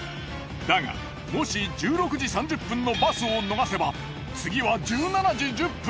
だがもし１６時３０分のバスをのがせば次は１７時１０分！